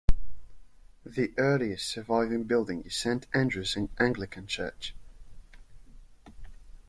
The earliest surviving building is Saint Andrew's Anglican church.